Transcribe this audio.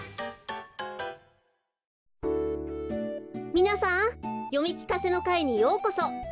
みなさんよみきかせのかいにようこそ。